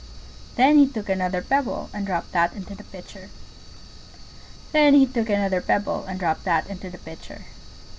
Then he took another pebble and dropped that into the Pitcher. Then he took another pebble and dropped that into the Pitcher.